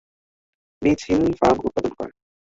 Beech Hill farm উৎপাদন করে।